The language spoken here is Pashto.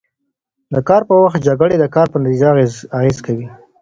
د کار پر وخت جکړې د کار په نتیجه اغېز کوي.